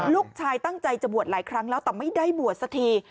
ลูกชายตั้งใจจะบวชหลายครั้งแล้วแต่ไม่ได้บวชสักที